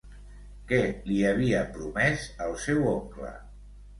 Què li havia promès el seu oncle?